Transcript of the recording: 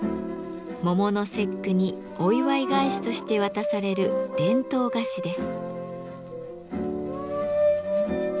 桃の節句にお祝い返しとして渡される伝統菓子です。